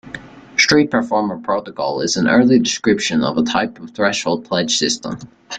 Street Performer Protocol is an early description of a type of threshold pledge system.